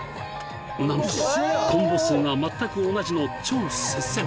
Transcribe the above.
なんとコンボ数が全く同じの超接戦